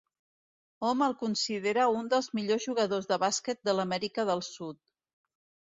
Hom el considera un dels millors jugadors de bàsquet de l'Amèrica del Sud.